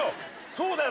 そうだよ。